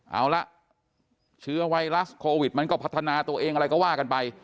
เอาละเชื้อไวรัสโควิดมันก็พัฒนาตัวเองอะไรก็ว่ากันไป